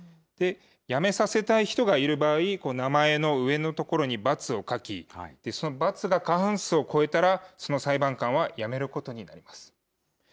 やめさせたい人がいる場合、名前の上の所に×を書き、その×が過半数を超えたら、その裁判官はやめることになります。